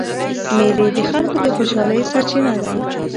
مېلې د خلکو د خوشحالۍ سرچینه ده.